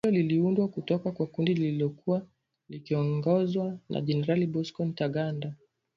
Kundi hilo liliundwa kutoka kwa kundi lililokuwa likiongozwa na Generali Bosco Ntaganda